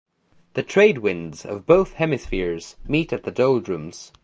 The trade winds of both hemispheres meet at the doldrums.